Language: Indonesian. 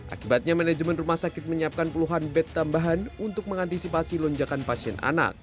akibatnya manajemen rumah sakit menyiapkan puluhan bed tambahan untuk mengantisipasi lonjakan pasien anak